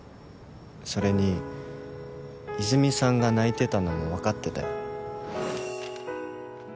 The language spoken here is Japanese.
それに泉さんが泣いてたのも分かってたよ